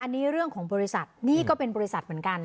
อันนี้เรื่องของบริษัทนี่ก็เป็นบริษัทเหมือนกัน